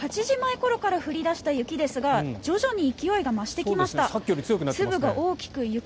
８時前ごろから降り出した雪ですが徐々に勢いが増してきました。